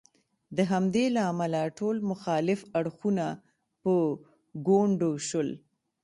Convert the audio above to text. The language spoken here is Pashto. د همدې له امله ټول مخالف اړخونه په ګونډو شول.